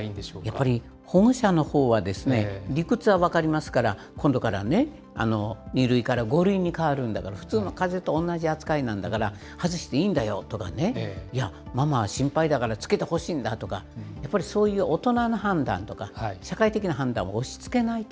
やっぱり保護者のほうは理屈は分かりますから、今度からね、２類から５類に変わるんだから普通のかぜと同じ扱いなんだから、外していいんだよとかね、いや、ママは心配だから着けてほしいんだとか、やっぱりそういう大人の判断とか、社会的な判断を押しつけないと。